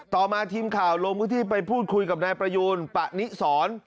ต่อมาทีมข่าวลงพื้นที่ไปพูดคุยกับนายประยูนปะนิสร